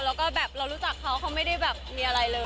แล้วก็แบบเรารู้จักเขาเขาไม่ได้แบบมีอะไรเลย